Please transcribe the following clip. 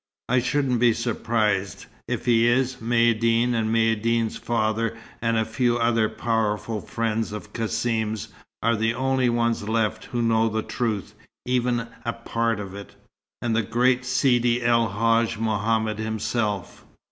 I shouldn't be surprised. If he is, Maïeddine and Maïeddine's father, and a few other powerful friends of Cassim's, are the only ones left who know the truth, even a part of it. And the great Sidi El Hadj Mohammed himself."